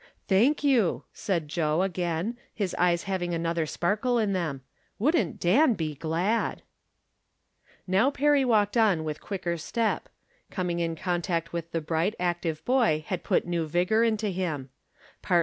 " Thank you," said Joe, again, his eyes having another sparkle in them. Wouldn't Dan be glad ! Now Perry walked on with quicker step. Com . ing in contact with the bright, active boy had put new vigor into him.